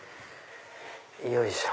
よいしょ。